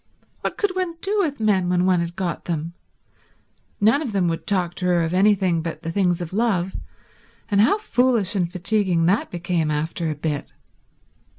What could one do with men when one had got them? None of them would talk to her of anything but the things of love, and how foolish and fatiguing that became after a bit.